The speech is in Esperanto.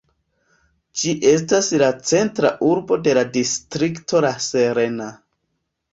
Ĝi estas la centra urbo de la distrikto La Serena.